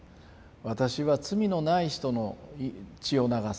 私は罪のない人の血を流す。